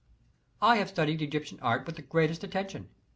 I have studied Egyptian art with the greatest atten tion.